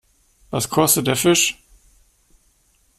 Was kostet der Fisch?